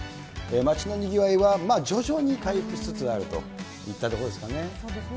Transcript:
町のにぎわいは、まあ徐々に回復しつつあるといったところですかそうですね。